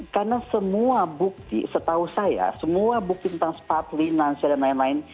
karena semua bukti setahu saya semua bukti tentang sputnik lancia dan lain lain